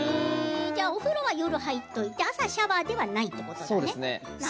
お風呂は夜に入っておいて朝シャワーではないということね。